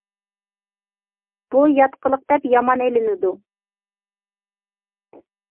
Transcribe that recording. بۇ يات قىلىق دەپ يامان ئېلىنىدۇ.